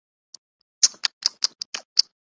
ایک تو ان کی زبان ہی ایسی لگتی ہے۔